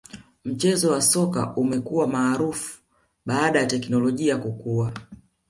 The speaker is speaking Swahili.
mchezo wa soka umekua maarufi baada ya teknolojia kukua